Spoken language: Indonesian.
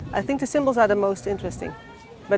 saya pikir simbolnya paling menarik